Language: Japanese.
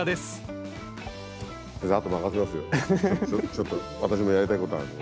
ちょっと私もやりたいことあるんで。